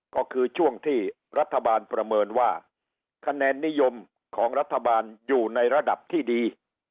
ก็คือช่วงที่รัฐบาลประเมินว่าคะแนนนิยมของรัฐบาลอยู่ในระดับที่ดี